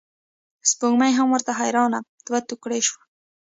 سپوږمۍ هم ورته حیرانه دوه توکړې شوه.